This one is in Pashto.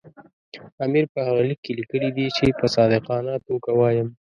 امیر په هغه لیک کې لیکلي دي چې په صادقانه توګه وایم.